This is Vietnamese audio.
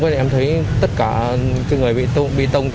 lúc nãy em thấy tất cả người bị tông